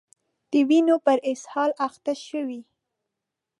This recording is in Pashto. د وینو په اسهال اخته شوي